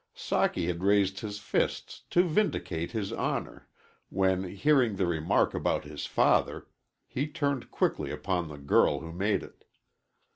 Socky had raised his fists to vindicate his honor, when, hearing the remark about his father, he turned quickly upon the girl who made it.